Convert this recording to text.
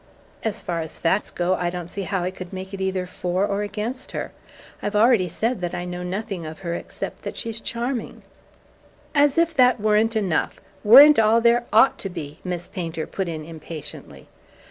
"As far as facts go, I don't see how I can make it either for or against her. I've already said that I know nothing of her except that she's charming." "As if that weren't enough weren't all there OUGHT to be!" Miss Painter put in impatiently.